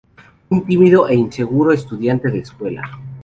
Un tímido e inseguro estudiante de escuela.